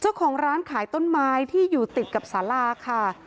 เจ้าของร้านขายต้นไม้ที่อยู่ติดกับสาราค่ะ